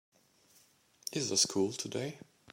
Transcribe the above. Is there school today?